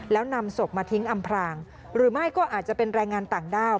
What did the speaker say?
แล้วนำศพมาทิ้งอำพรางหรือไม่ก็อาจจะเป็นแรงงานต่างด้าว